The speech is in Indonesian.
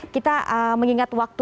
kita mengingat waktu